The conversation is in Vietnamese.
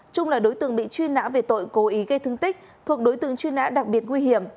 trung là đối tượng bị truy nã về tội cố ý gây thương tích thuộc đối tượng truy nã đặc biệt nguy hiểm